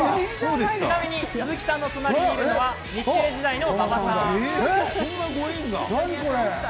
ちなみに鈴木さんの隣にいるのは日テレ時代の馬場典子さんです。